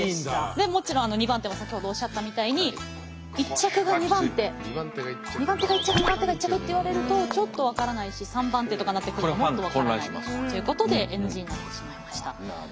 でもちろんニバンテも先ほどおっしゃったみたいに１着がニバンテニバンテが１着ニバンテが１着って言われるとちょっと分からないし３番手とかになってくるともっと分からないということでＮＧになってしまいました。